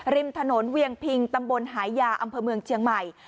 ริมถนนเวียงพิงตำบลหายาอำเภอเมืองเชียงใหม่